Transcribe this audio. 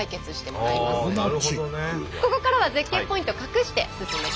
ここからは絶景ポイントを隠して進めていきます。